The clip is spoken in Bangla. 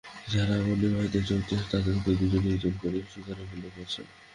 যাহারা আগুন নিবাইতে যোগ দিয়াছে, তাহাদের মধ্যেই দুই-একজন করিয়া সীতারামের লোক আছে।